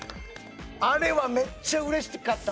あれはめっちゃ嬉しかった。